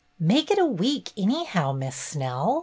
'' "Make it a week, anyhow. Miss Snell!